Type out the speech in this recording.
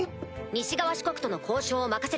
西側諸国との交渉を任せる。